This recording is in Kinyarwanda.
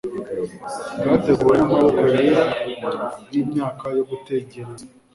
byateguwe namaboko yera yimyaka yo gutegereza